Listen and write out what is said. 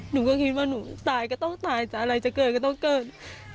หนูก็คิดว่าหนูตายก็ต้องตายจะอะไรจะเกิดก็ต้องเกิด